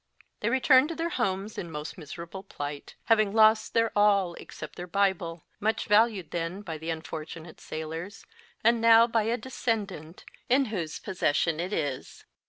They returned to their homes in most miserable plight, having lost their all, except their Bible, much valued then by the unfortunate sailors, and now by a descendant in 272 MY FIRST BOOK whose possession it is.